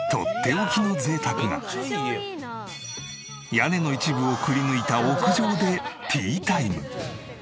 屋根の一部をくりぬいた屋上でティータイム。